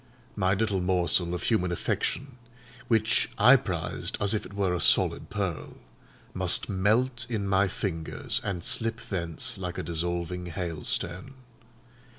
My little morsel of human affection, which I prized as if it were a solid pearl, must melt in my fingers and slip thence like a dissolving hailstone.